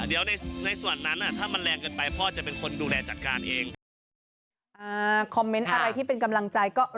เดี๋ยวในส่วนนั้นถ้ามันแรงเกินไปพ่อจะเป็นคนดูแลจัดการเอง